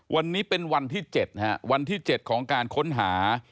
วันนี้เป็นวันที่๗วันที่๗ของการค้นหา